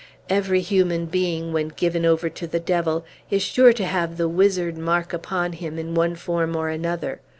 Every human being, when given over to the Devil, is sure to have the wizard mark upon him, in one form or another.